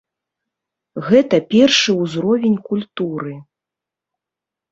Гэта першы ўзровень культуры.